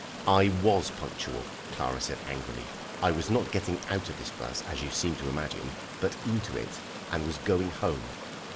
"I was punctual," Clara said angrily. "I was not getting out of this 'bus, as you seem to imagine, but into it, and was going home."